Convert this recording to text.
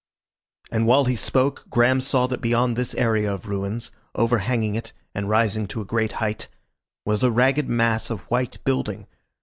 And while he spoke, Graham saw that beyond this area of ruins, overhanging it and rising to a great height, was a ragged mass of white building.